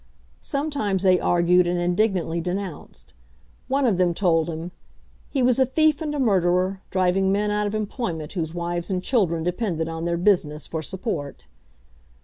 Sometimes they argued and indignantly denounced. One of them told him, "he was a thief and a murderer, driving men out of employment whose wives and children depended on their business for support."